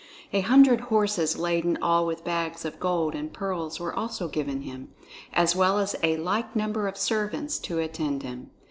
A hundred horses laden all with bags of gold and pearls were also given him, as well as a like number of servants to attend him.